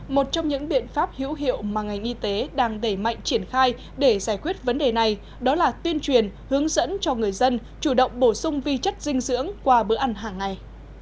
một trong những biện pháp hữu hiệu mà ngành y tế đang đẩy mạnh triển khai để giải quyết vấn đề này đó là tuyên truyền hướng dẫn cho người dân chủ động bổ sung vi chất dinh dưỡng qua bữa ăn hàng ngày